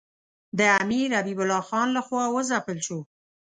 د امیر حبیب الله خان له خوا وځپل شو.